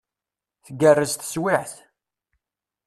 Tgerrez teswiɛt.